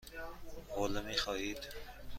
حوله می خواهید؟